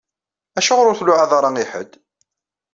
Acuɣeṛ ur tluɛaḍ ara i ḥedd?